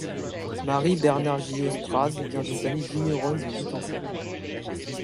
Marie-Bernard Gillioz Praz vient d'une famille vigneronne de huit enfants.